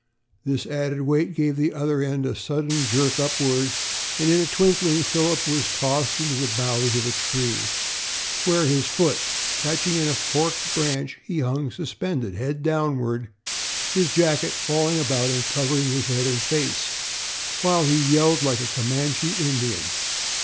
This added weight gave the other end a sudden jerk upward, and in a twinkling Philip was tossed into the boughs of the tree, where, his foot catching in a forked branch, he hung suspended, head downward, his jacket falling about and covering his head and face, while he yelled like a Comanche Indian.